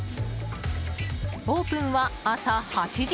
オープンは朝８時。